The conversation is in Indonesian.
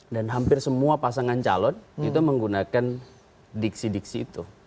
dan hampir semua pasangan calon itu menggunakan diksi diksi itu